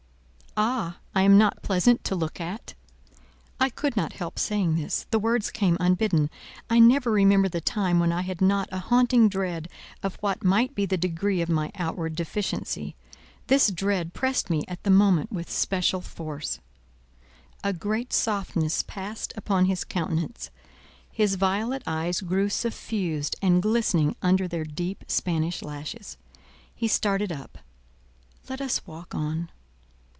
"Ah! I am not pleasant to look at——?" I could not help saying this; the words came unbidden: I never remember the time when I had not a haunting dread of what might be the degree of my outward deficiency; this dread pressed me at the moment with special force. A great softness passed upon his countenance; his violet eyes grew suffused and glistening under their deep Spanish lashes: he started up; "Let us walk on."